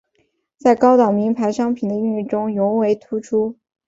在高档名牌商品的应用中尤为突出。